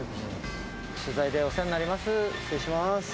取材でお世話になります、失礼します。